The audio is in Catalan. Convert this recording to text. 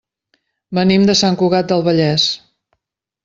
Venim de Sant Cugat del Vallès.